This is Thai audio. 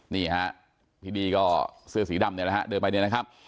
นี่ฮะพี่ดีก็เสื้อสีดำเนี่ยนะฮะเดินไปเนี่ยนะครับ